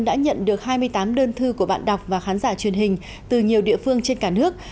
đã nhận được hai mươi tám đơn thư của bạn đọc và khán giả truyền hình từ nhiều địa phương trên cả nước